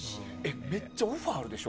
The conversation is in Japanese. めっちゃオファーあるでしょ